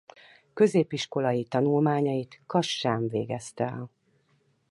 Középiskolai tanulmányait Kassán végezte el.